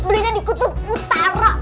belinya di kutub utara